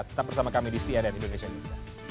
tetap bersama kami di cnn indonesia newscast